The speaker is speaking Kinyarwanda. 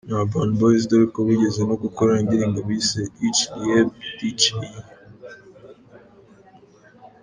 na Urban Boys dore ko bigeze no gukorana indirimbo bise 'Ich Liebe Dich' iyi